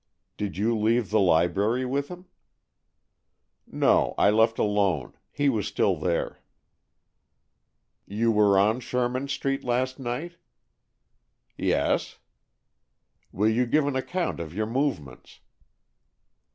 "Did you leave the library with him?" "No, I left alone. He was still there." "You were on Sherman Street last night?" "Yes." "Will you give an account of your movements?"